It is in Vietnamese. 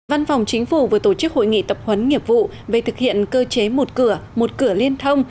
văn phòng chính phủ vừa tổ chức hội nghị tập huấn nghiệp vụ về thực hiện cơ chế một cửa một cửa liên thông